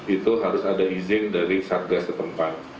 itu harus ada izin dari satgas setempat